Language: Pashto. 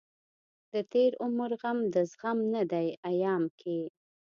دتېر عمر غم دزغم نه دی ايام کې